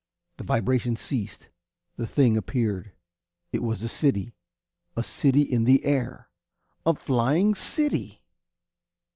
The vibration ceased. The thing appeared. It was a city a city in the air a flying city!